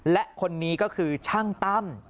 และคนนี้ก็คือช่างตั้ม